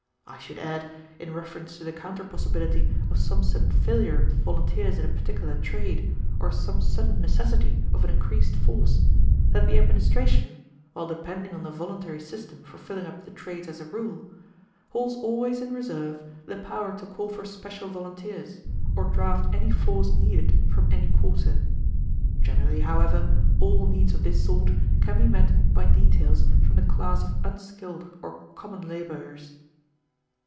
I should add, in reference to the counter possibility of some sudden failure of volunteers in a particular trade, or some sudden necessity of an increased force, that the administration, while depending on the voluntary system for filling up the trades as a rule, holds always in reserve the power to call for special volunteers, or draft any force needed from any quarter. Generally, however, all needs of this sort can be met by details from the class of unskilled or common laborers."